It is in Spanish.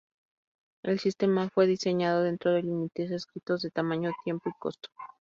El sistema fue diseñado dentro de límites estrictos de tamaño, tiempo y costo.